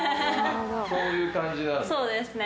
そういう感じなんですね。